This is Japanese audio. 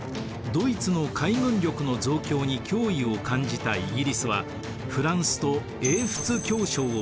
ドイツの海軍力の増強に脅威を感じたイギリスはフランスと英仏協商を締結。